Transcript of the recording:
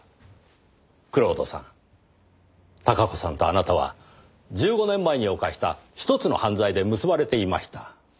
蔵人さん孝子さんとあなたは１５年前に犯した１つの犯罪で結ばれていました。